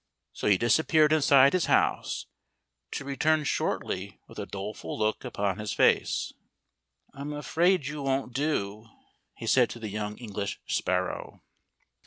So he disappeared inside his house, to return shortly with a doleful look upon his face. "I'm afraid you won't do," he said to the young English sparrow.